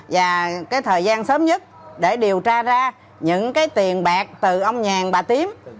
và cái thời gian sớm nhất để điều tra ra những cái tiền bạc từ ông nhàn bà tím